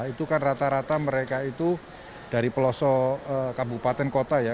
itu kan rata rata mereka itu dari pelosok kabupaten kota ya